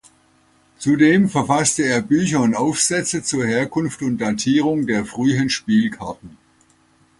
Zudem verfasste er Bücher und Aufsätze zur Herkunft und Datierung der frühen Spielkarten.